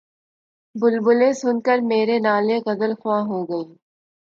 بلبلیں سن کر میرے نالے‘ غزلخواں ہو گئیں